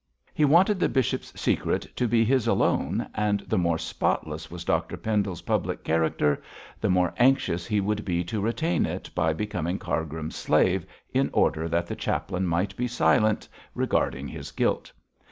He wanted the bishop's secret to be his alone, and the more spotless was Dr Pendle's public character, the more anxious he would be to retain it by becoming Cargrim's slave in order that the chaplain might be silent regarding his guilt.